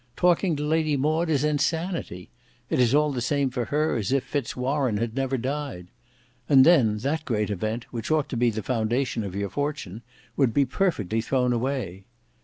Talking to Lady Maud is insanity. It is all the same for her as if Fitz Warene had never died. And then that great event, which ought to be the foundation of your fortune, would be perfectly thrown away.